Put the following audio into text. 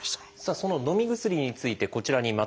そののみ薬についてこちらにまとめました。